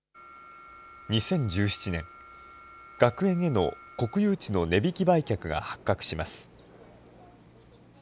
２０１７年、学園への国有地の値引き売却が発覚します。